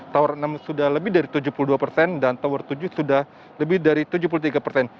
tower enam sudah lebih dari tujuh puluh dua persen dan tower tujuh sudah lebih dari tujuh puluh tiga persen